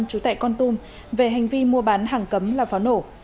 chú tại con tum về hành vi mua bán hàng cấm là pháo nổ